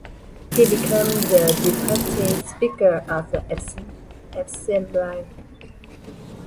He became the Deputy Speaker of the Assembly.